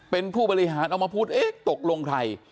เป็นผู้บริหารเอามาพูดเอ๊ะตกลงใคร